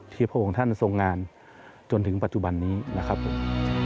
ที่พวกคุณท่านทรงงานจนถึงปัจจุบันนี้นะครับคุณ